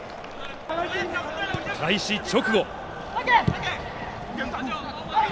開始直後。